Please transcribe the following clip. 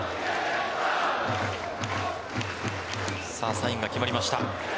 サインが決まりました。